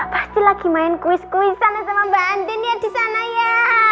pasti lagi main kuis kuis sama mbak andren ya di sana ya